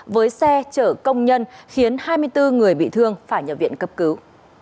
với xe chở công nhân khiến hai mươi bốn người bị thương phải nhập viện cấp cứu